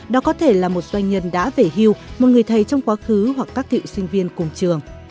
đó có thể là một doanh nhân đã về hưu một người thầy trong quá khứ hoặc các cựu sinh viên cùng trường